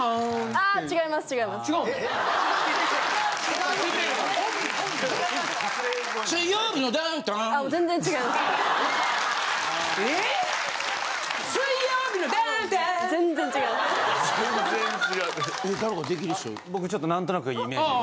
あ僕ちょっとなんとなくイメージで。